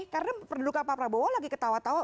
karena pendukungnya pak prabowo lagi ketawa ketawa